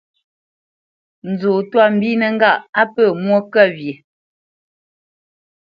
Nzó twâ mbínə́ ŋgâʼ á pə̂ mwô kə wye ?